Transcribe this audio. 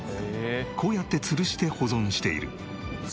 こうやって吊して保存している。